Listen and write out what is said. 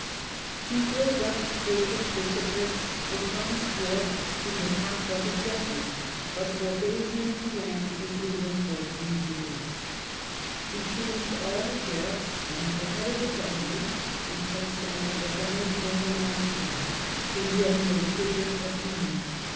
He filled up the vacant bishoprics, and promised York to his half brother Geoffrey, but forbade him to land in England for three years. He changed all the sheriffs, and at the head of the government he placed a man of his own, William Longchamp, whom he had made Bishop of Ely.